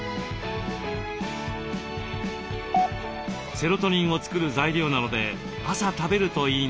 セロトニンを作る材料なので朝食べるといいんです。